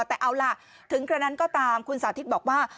แต่เอาล่ะถึงกระนั้นก็ตามคุณสาธิตบอกว่า